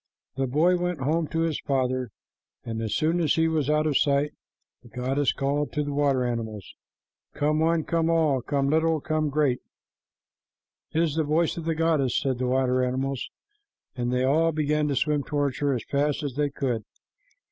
The boy went home to his father, and as soon as he was out of sight, the goddess called to the water animals, "Come one, come all, come little, come great." "It is the voice of the goddess," said the water animals, and they all began to swim toward her as fast as they could.